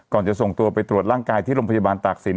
จะส่งตัวไปตรวจร่างกายที่โรงพยาบาลตากศิล